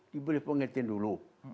diberi pengertian dulu